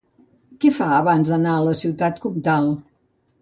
Què fa abans d'anar a la ciutat comtal?